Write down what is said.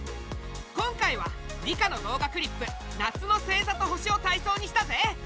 今回は理科の動画クリップ「夏の星ざと星」をたいそうにしたぜ！